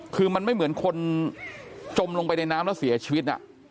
คือมันไม่เหมือนคนจมลงไปในน้ำแล้วเสียชีวิต